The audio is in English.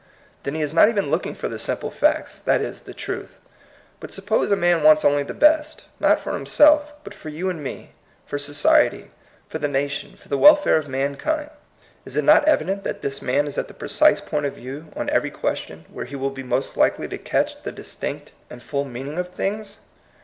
Then he is not even looking for the simple facts, that is, the truth. But suppose a man wants only the best, not for himself, but for you and me, for society, for the nation, for the welfare of mankind. Is it not evident that this man is at the precise point of view on every question where he will be most likely to catch the distinct and full meaning of things